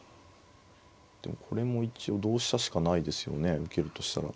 でもこれも一応同飛車しかないですよね受けるとしたら。